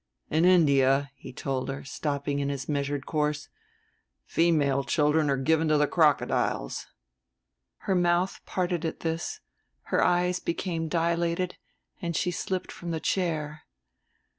"In India," he told her, stopping in his measured course, "female children are given to the crocodiles." Her mouth parted at this, her eyes became dilated, and she slipped from the chair.